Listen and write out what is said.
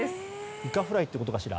イカフライということかしら。